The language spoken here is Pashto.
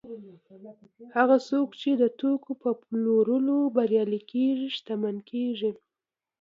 هغه څوک چې د توکو په پلورلو بریالي کېږي شتمن کېږي